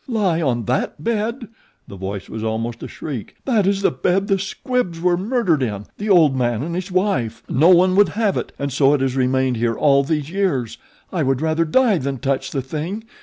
"Lie on THAT bed!" The voice was almost a shriek. "That is the bed the Squibbs were murdered in the old man and his wife. No one would have it, and so it has remained here all these years. I would rather die than touch the thing.